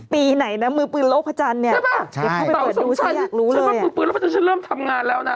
พี่ชาทำแล้วมือปืนโรคพระจันทร์เราทำงานแล้วนะเมคุณเมคุณพี่ชาทำแล้วมือปืนโรคพระจันทร์เราทำงานแล้วนะเม